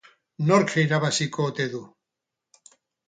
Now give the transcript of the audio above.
Nork irabaziko ote du?